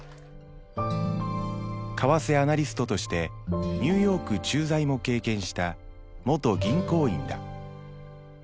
為替アナリストとしてニューヨーク駐在も経験した元銀行員だ。